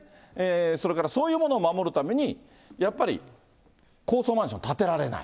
それからそういうものを守るために、やっぱり高層マンション建てられない。